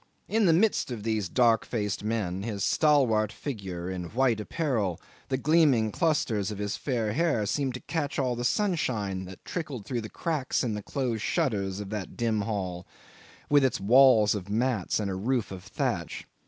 In the midst of these dark faced men, his stalwart figure in white apparel, the gleaming clusters of his fair hair, seemed to catch all the sunshine that trickled through the cracks in the closed shutters of that dim hall, with its walls of mats and a roof of thatch.